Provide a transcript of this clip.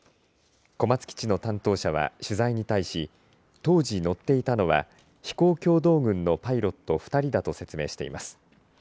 小松基地の担当者は取材に対し、当時乗っていたのは飛行教導群のパイロット２人だと説明しています。